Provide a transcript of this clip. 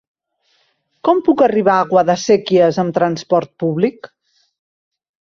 Com puc arribar a Guadasséquies amb transport públic?